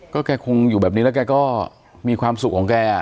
ก็แกคงอยู่แบบนี้แล้วแกก็มีความสุขของแก